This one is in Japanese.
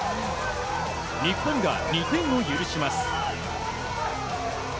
日本が２点を許します。